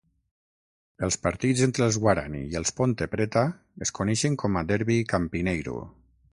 Els partits entre els Guarani i els Ponte Preta es coneixen com a Derby Campineiro.